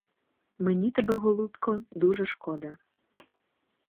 Мені тебе, голубко, дуже шкода.